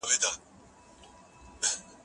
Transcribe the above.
زه هره ورځ لاس پرېولم